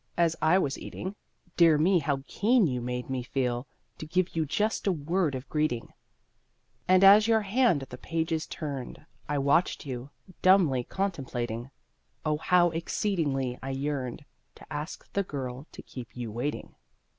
As I was eating, Dear me, how keen you made me feel To give you just a word of greeting! And as your hand the pages turned, I watched you, dumbly contemplating O how exceedingly I yearned To ask the girl to keep you waiting.